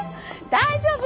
大丈夫？